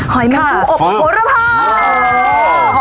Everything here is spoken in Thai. หอยแมงผู้อบฮอรภา